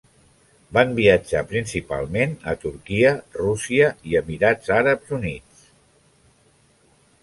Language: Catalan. Van viatjar principalment a Turquia, Rússia i Emirats Àrabs Units.